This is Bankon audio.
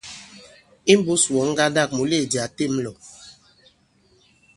Imbūs wɔ̌n ŋgandâk, mùleèdì a těm lɔ̀.